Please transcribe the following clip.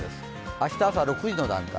明日朝６時の段階。